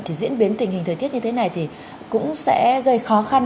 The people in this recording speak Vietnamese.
thì diễn biến tình hình thời tiết như thế này thì cũng sẽ gây khó khăn